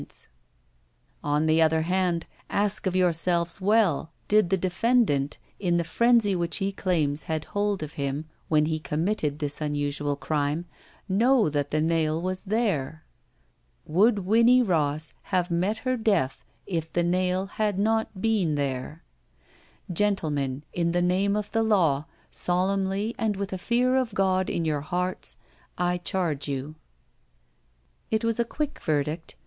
279 ROULETTE '^On the other hand, ask of yourselves well, did the defendant, in the frenzy which he claims had hold of him when he committed this unusual crime, know that the nail was there? Watdd Winnie Ross have met her death if the nail had not been there? ''Gentlemen, in the name of the law, solemnly and with a fear of God in your hearts, I charge yotu" It was a quick verdict.